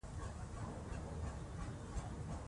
د هغې ږغ یو آسماني ږغ دی.